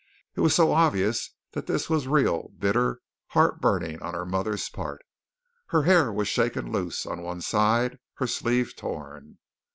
It was so obvious that this was real bitter heart burning on her mother's part. Her hair was shaken loose on one side her sleeve torn.